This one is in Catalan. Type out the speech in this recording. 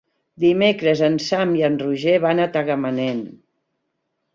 Dimecres en Sam i en Roger van a Tagamanent.